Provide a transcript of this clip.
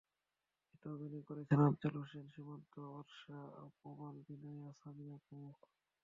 এতে অভিনয় করেছেন আফজাল হোসেন, সীমান্ত, অর্ষা, প্রবাল, বিনয়া, সামিয়া প্রমুখ।